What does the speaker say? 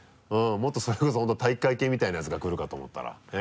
もっとそれこそ本当体育会系みたいなやつが来るかと思ったら。